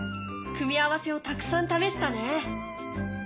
組み合わせをたくさん試したね。